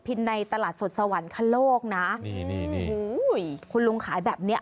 ผิดในตลาดสดสวรรค์คลโลกนะนี่นี่นี่โอ้โหคุณลุงขายแบบเนี้ย